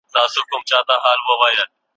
هغه چنار ته د مرغیو ځالګۍ نه راځي